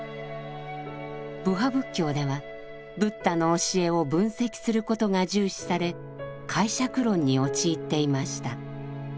部派仏教ではブッダの教えを分析することが重視され解釈論に陥っていました。